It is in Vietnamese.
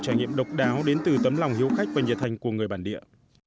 văn hóa đặc đáo đến từ tấm lòng hiếu khách và nhiệt hành của người bản địa